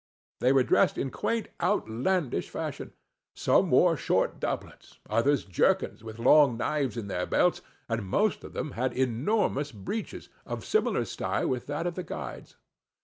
They were dressed in a quaint outlandish fashion; some wore short doublets, others jerkins, with long knives in their belts, and most of them had enormous breeches, of similar style with that of the guide's.